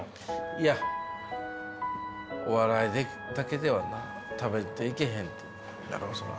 いやお笑いだけでは食べていけへんやろそら。